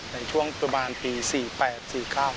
ในช่วงประมาณปี๔๘๔๙